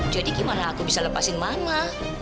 jadi gimana aku bisa lepasin mama